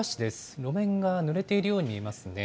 路面がぬれているように見えますね。